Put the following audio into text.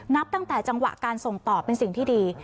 นับตั้งแต่จังหวะการส่งต่อเป็นสิ่งที่ดี